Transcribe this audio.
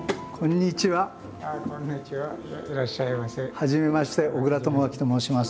はじめまして小倉智昭と申します。